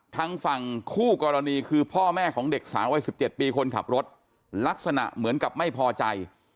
ทางฝั่งคู่กรณีคือพ่อแม่ของเด็กสาววัย๑๗ปีคนขับรถลักษณะเหมือนกับไม่พอใจ